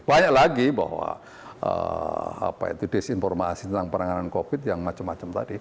banyak lagi bahwa desinformasi tentang penanganan covid yang macem macem tadi